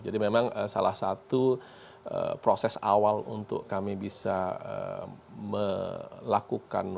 jadi memang salah satu proses awal untuk kami bisa melakukan